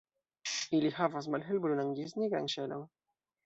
Ili havas malhelbrunan ĝis nigran ŝelon.